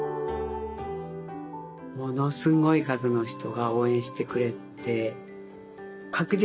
ものすごい数の人が応援してくれて。